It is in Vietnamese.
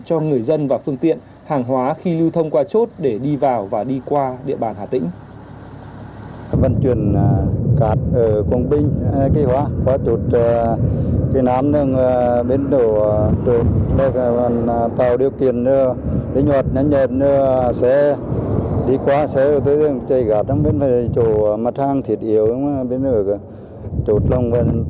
cho người dân và phương tiện hàng hóa khi lưu thông qua chốt để đi vào và đi qua địa bàn hà tĩnh